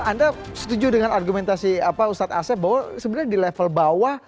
anda setuju dengan argumentasi ustadz asep bahwa sebenarnya di level bawah